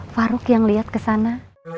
faruk yang liat kesana